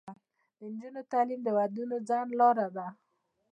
د نجونو تعلیم د ودونو ځنډ لاره ده.